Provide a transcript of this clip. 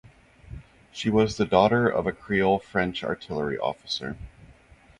She was the daughter of a creole French artillery officer.